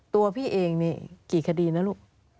ตัวพี่เองนี่กี่คดีนะลูก